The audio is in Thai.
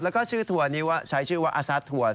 แล้วก็ชื่อทัวร์นี้ว่าใช้ชื่อว่าอาซาสทัวร์